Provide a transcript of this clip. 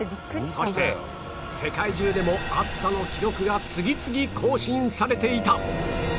そして世界中でも暑さの記録が次々更新されていた